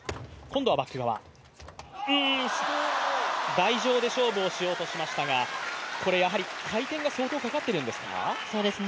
台上で勝負しようとしましたが、これはやはり回転が相当かかっているんですか。